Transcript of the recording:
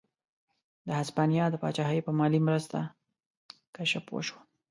د هسپانیا د پاچاهۍ په مالي مرسته کشف وشوه.